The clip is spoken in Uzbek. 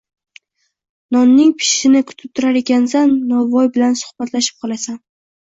Nonning pishishini kutib turar ekansan novvoy bilan suhbatlashib qolasan